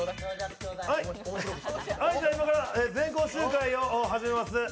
今から全校集会を始めます。